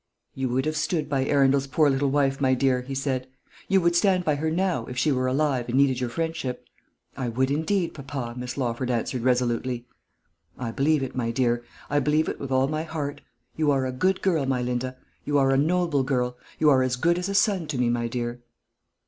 "You would have stood by Arundel's poor little wife, my dear?" he said. "You would stand by her now, if she were alive, and needed your friendship?" "I would indeed, papa," Miss Lawford answered resolutely. "I believe it, my dear; I believe it with all my heart. You are a good girl, my Linda; you are a noble girl. You are as good as a son to me, my dear."